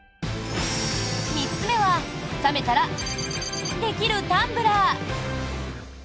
３つ目は冷めたら○○できるタンブラー。